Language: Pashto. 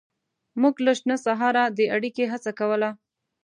موږ له شنه سهاره د اړیکې هڅه کوله.